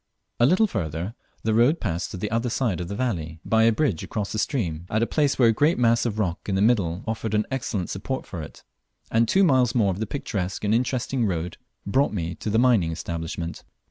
A little further the road passed to the other side of the valley by a bridge across the stream at a place where a great mass of rock in the middle offered an excellent support for it, and two miles more of most picturesque and interesting road brought me to the mining establishment.